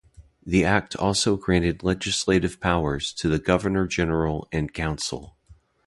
The Act also granted legislative powers to the Governor-General and Council.